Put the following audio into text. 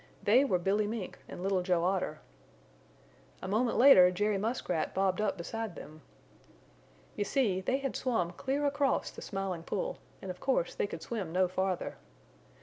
They were Billy Mink and Little Joe Otter. A moment later Jerry Muskrat bobbed up beside them. You see, they had swum clear across the Smiling Pool and of course they could swim no farther.